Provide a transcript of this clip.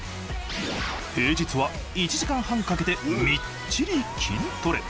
平日は１時間半かけてみっちり筋トレ。